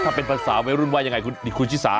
ถ้าเป็นภาษาวัยรุ่นว่ายังไงคุณชิสา